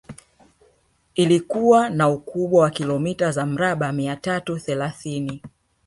Ilikuwa na ukubwa wa kilomita za mraba mia tatu thelathini